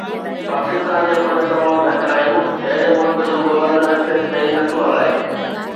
پاڪستان جا فنڊ تمام گهٽ آهن، اهڙي ملڪ جو گورنر اسٽيٽ بئنڪ نٿو هلائي